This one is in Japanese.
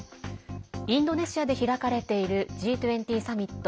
インドネシアで開かれているＧ２０サミット